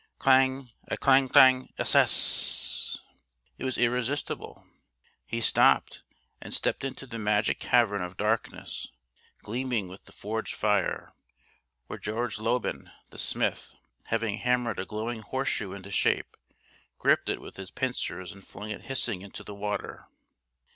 "Clang a clang clang! ssssssss!" It was irresistible. He stopped, and stepped into the magic cavern of darkness, gleaming with the forge fire, where George Lobban, the smith, having hammered a glowing horseshoe into shape, gripped it with his pincers and flung it hissing into the water.